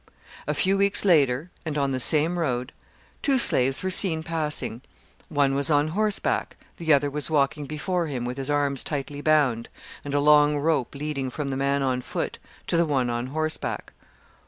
A few weeks later, and, on the same road, two slaves were seen passing; one was on horseback, the other was walking before him with his arms tightly bound, and a long rope leading from the man on foot to the one on horseback.